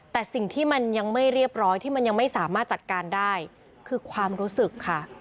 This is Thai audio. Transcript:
แต่สิ่งที่มันยังไม่เรียบร้อยที่มันยังไม่สามารถจัดการได้คือความรู้สึกค่ะ